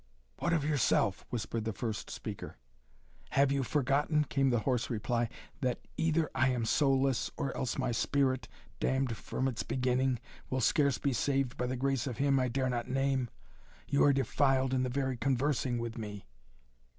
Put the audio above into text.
"What of yourself?" whispered the first speaker. "Have you forgotten," came the hoarse reply, "that either I am soulless, or else my spirit, damned from its beginning, will scarce be saved by the grace of Him I dare not name! You are defiled in the very conversing with me."